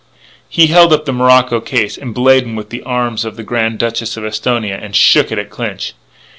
He held up the morocco case, emblazoned with the arms of the Grand Duchess of Esthonia, and shook it at Clinch.